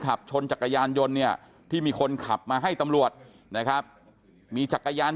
ขับชนจักรยานยนต์เนี่ยที่มีคนขับมาให้ตำรวจนะครับมีจักรยาน